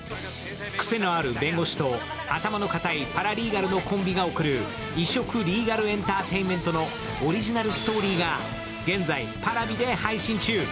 癖のある弁護士と、頭の固いパラリーガルのコンビが送る異色リーガルエンターテインメントのオリジナルストーリーが現在Ｐａｒａｖｉで配信中。